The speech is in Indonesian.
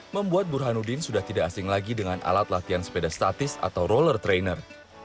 membuat burhanuddin sudah tidak asing lagi dengan alat latihan sepeda statis atau roller trainer